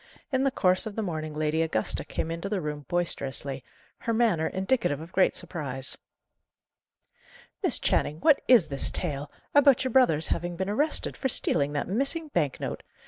In the course of the morning Lady Augusta came into the room boisterously, her manner indicative of great surprise. "Miss Channing, what is this tale, about your brother's having been arrested for stealing that missing bank note?